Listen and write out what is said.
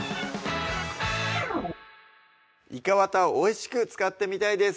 いかわたおいしく使ってみたいです